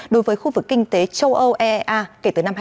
đối với khu vực kinh tế châu âu ea kể từ năm hai nghìn hai mươi